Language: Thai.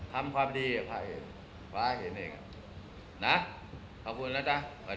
ทำความดีกับพระเอกฟ้าเห็นเองนะขอบคุณนะจ๊ะ